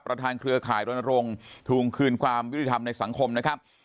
ประธานเครือขายฐุ่งคืนความวิริธรมในสังคมนะครับ